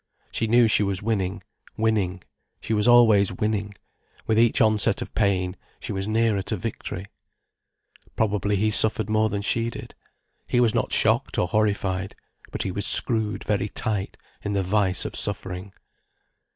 She knew she was winning, winning, she was always winning, with each onset of pain she was nearer to victory. Probably he suffered more than she did. He was not shocked or horrified. But he was screwed very tight in the vise of suffering.